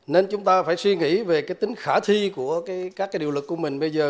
nên chúng ta phải suy nghĩ về tính khả thi của các điều lực của mình bây giờ